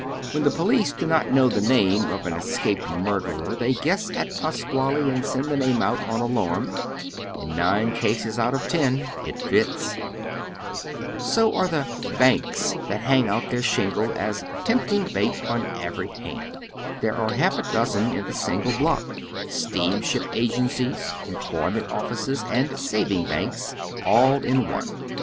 "When the police do not know tlig name of an escaped murderer, they guess at Pasquale and send the name out on alarm ; in nine cases ont of ten it fits. So are the " banks " that hang out their shingle ^vGoogle THE BEND, 61 ae tempting bait on every hand. There are half a dozen in the single bloct, steamship agencies, employment of fices, and savings banks, all in one.